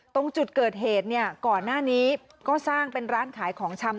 ตรงจุดเกิดเหตุเนี่ยก่อนหน้านี้ก็สร้างเป็นร้านขายของชำ